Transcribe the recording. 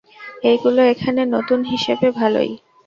এইগুলো এখানে, নতুন হিসেবে ভালই।